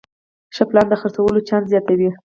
ښه پلان د خرڅلاو چانس زیاتوي.